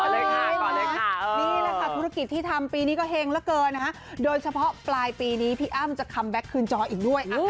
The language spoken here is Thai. นี่แหละค่ะธุรกิจที่ทำปีนี้ก็เฮงเหลือเกินนะคะโดยเฉพาะปลายปีนี้พี่อ้ำจะคัมแก๊กคืนจออีกด้วย